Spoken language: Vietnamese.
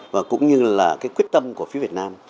và cũng như là cái quyết tâm của phía việt nam